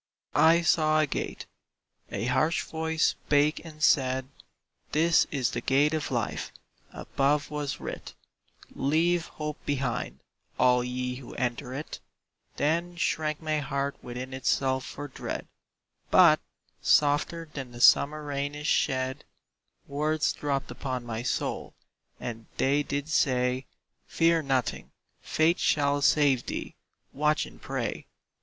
I saw a gate: a harsh voice spake and said, "This is the gate of Life;" above was writ, "Leave hope behind, all ye who enter it;" Then shrank my heart within itself for dread; But, softer than the summer rain is shed, Words dropt upon my soul, and they did say, "Fear nothing, Faith shall save thee, watch and pray!"